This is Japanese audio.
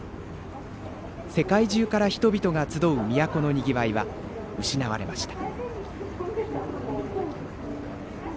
世界中から人々が集う都のにぎわいは失われました。